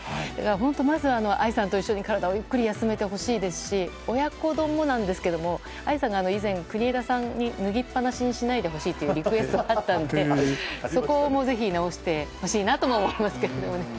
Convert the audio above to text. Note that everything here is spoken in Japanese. まずは愛さんと一緒に体をゆっくり休めてほしいですし親子丼もなんですけど愛さんから以前国枝さんに脱ぎっぱなしにしないでほしいというリクエストがあったのでそこもぜひ直してほしいなと思いますけどね。